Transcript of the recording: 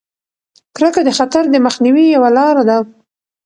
کرکه د خطر د مخنیوي یوه لاره ده.